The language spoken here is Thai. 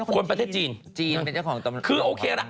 คนประเทศจีนคือโอเคละ